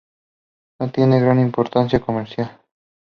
No tienen gran importancia comercial.